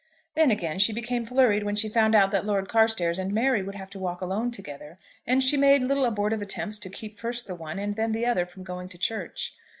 Then, again, she became flurried when she found that Lord Carstairs and Mary would have to walk alone together; and she made little abortive attempts to keep first the one and then the other from going to church.